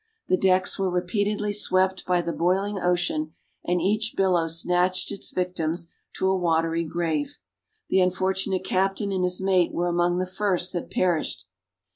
The decks were repeatedly swept by the boiling ocean, and each billow snatched its victims to a watery grave. The unfortunate captain and his mate were among the first that perished.